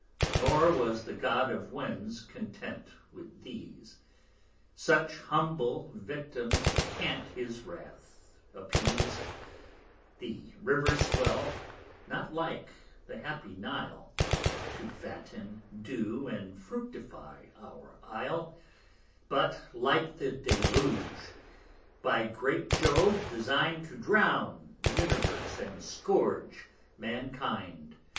Nor was the God of Winds content with these; Such humble Victims can't his Wrath appease: The Rivers swell, not like the happy_ Nile, To fatten, dew, and fructifie our Isle: 40 But like the Deluge, _by great Jove design'd To drown the Universe, and scourge Mankind.